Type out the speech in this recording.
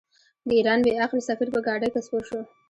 د ایران بې عقل سفیر په ګاډۍ کې سپور شو.